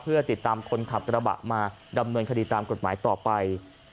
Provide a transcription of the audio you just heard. เพื่อติดตามคนขับกระบะมาดำเนินคดีตามกฎหมายต่อไป